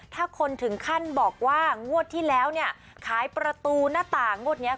ถ้าคนถึงขั้นบอกว่างวดที่แล้วเนี่ยขายประตูหน้าต่างงวดนี้